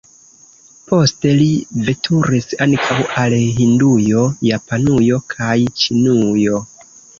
Poste li veturis ankaŭ al Hindujo, Japanujo kaj Ĉinujo.